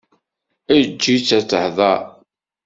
Eǧǧ-itt ad tehder!